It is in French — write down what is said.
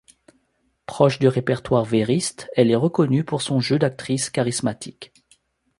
Proche du répertoire vériste, elle est reconnue pour son jeu d'actrice charismatique.